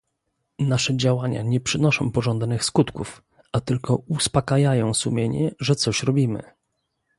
Nasze działania nie przynoszą pożądanych skutków, a tylko uspakajają sumienie, że coś robimy